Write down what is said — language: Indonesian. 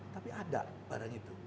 tapi ada barang itu